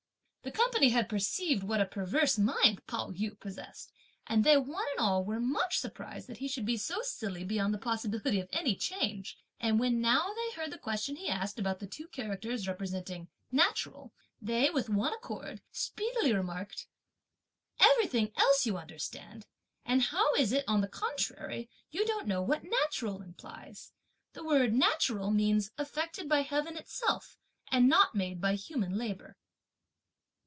The company had perceived what a perverse mind Pao yü possessed, and they one and all were much surprised that he should be so silly beyond the possibility of any change; and when now they heard the question he asked, about the two characters representing "natural," they, with one accord, speedily remarked, "Everything else you understand, and how is it that on the contrary you don't know what 'natural' implies? The word 'natural' means effected by heaven itself and not made by human labour."